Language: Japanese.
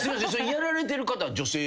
やられてる方は女性？